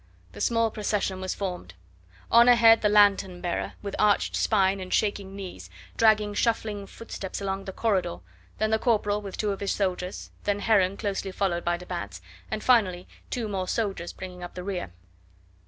The small procession was formed. On ahead the lanthorn bearer, with arched spine and shaking knees, dragging shuffling footsteps along the corridor, then the corporal with two of his soldiers, then Heron closely followed by de Batz, and finally two more soldiers bringing up the rear.